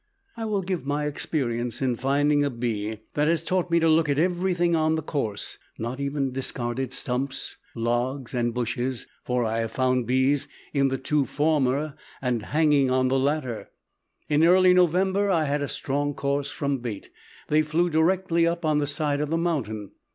I will give my experience in finding a bee that has taught me to look at every thing on the course, not even discarded stumps, logs and bushes, for I have found bees in the two former and hanging on the latter. In early November I had a strong course from bait. They flew directly up on the side of the mountain.